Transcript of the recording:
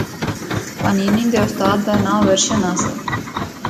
پانینی دے استاد دا ناں ورشن آسا۔